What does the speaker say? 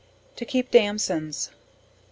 To keep Damsons.